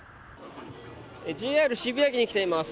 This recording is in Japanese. ＪＲ渋谷駅に来ています。